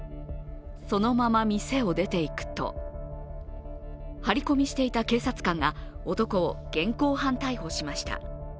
そのまま店を出ていくと、張り込みしていた警察官が男を現行犯逮捕しました。